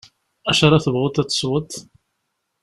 Acu ara tebɣuḍ ad tesweḍ?